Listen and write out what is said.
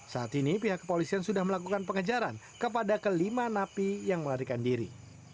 saat ini pihak kepolisian sudah melakukan pengejaran kepada kelima napi yang melarikan diri